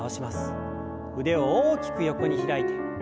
腕を大きく横に開いて。